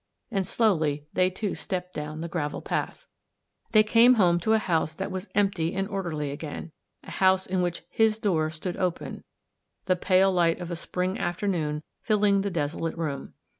And slowly, they, too, stepped down the grand path. They came home to a house that was empty and orderly again ; a house in which his door stood open, the pale light of a spring afternoon filling the desolate room.